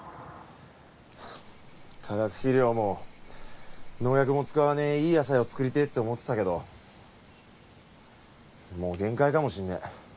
化学肥料も農薬も使わねえいい野菜を作りてぇって思ってたけどもう限界かもしんねえ。